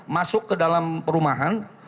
masuk ke dalam perumahan